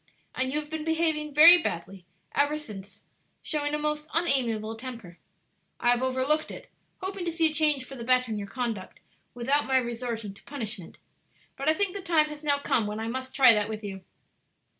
And you have been behaving very badly ever since, showing a most unamiable temper. I have overlooked it, hoping to see a change for the better in your conduct without my resorting to punishment; but I think the time has now come when I must try that with you."